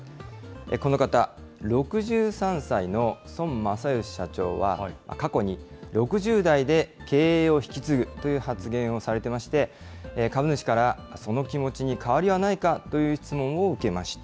この方、６３歳の孫正義社長は、過去に６０代で経営を引き継ぐという発言をされてまして、株主から、その気持ちに変わりはないかという質問を受けました。